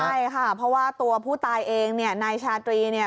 ใช่ค่ะเพราะว่าตัวผู้ตายเองนายชาตรี